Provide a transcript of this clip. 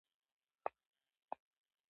ښېرا؛ سار دې خدای خواره کړي!